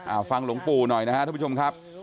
เอาฟังหลวงปู่หน่อยนะครับทุกผู้ชมครับ